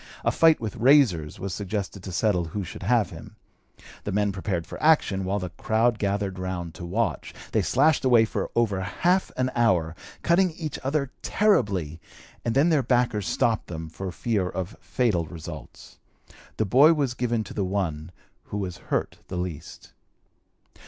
A fight with razors was suggested to settle who should have him. The men prepared for action, while the crowd gathered round to watch. They slashed away for over half an hour, cutting each other terribly, and then their backers stopped them for fear of fatal results. The boy was given to the one who was hurt the least.